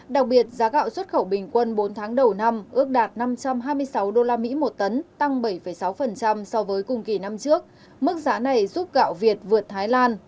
đặc biệt giá gạo xuất khẩu bình quân bốn tháng đầu năm ước đạt năm triệu tấn